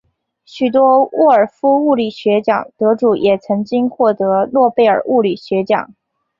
许多沃尔夫物理学奖得主也曾经获得诺贝尔物理学奖。